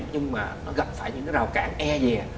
nhưng mà nó gặp phải những cái rào cản e dìa